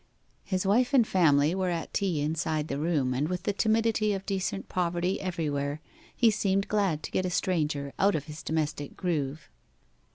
His wife and family were at tea inside the room, and with the timidity of decent poverty everywhere he seemed glad to get a stranger out of his domestic groove.